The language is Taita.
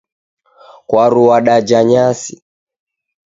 Kwaru w'adaja nyasi.